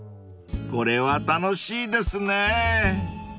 ［これは楽しいですね］